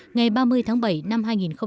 ngày ba mươi tháng bảy năm hai nghìn một mươi tám